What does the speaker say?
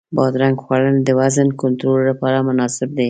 بادرنګ خوړل د وزن کنټرول لپاره مناسب دی.